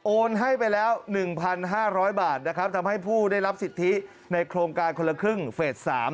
ให้ไปแล้ว๑๕๐๐บาทนะครับทำให้ผู้ได้รับสิทธิในโครงการคนละครึ่งเฟส๓